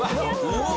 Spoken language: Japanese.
うわ！